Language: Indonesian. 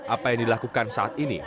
apa yang dilakukan saat ini